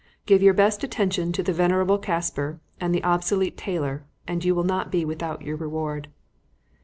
Give your best attention to the venerable Casper and the obsolete Taylor and you will not be without your reward."